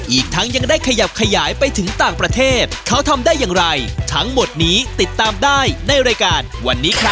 อีกทั้งยังได้ขยับขยายไปถึงต่างประเทศเขาทำได้อย่างไรทั้งหมดนี้ติดตามได้ในรายการวันนี้ครับ